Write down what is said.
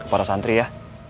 ke para santri ya